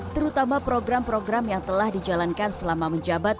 terutama program program yang telah dijalankan selama menjabat dua ribu dua puluh satu